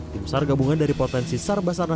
tim seharga gabungan dari potensi sarbasan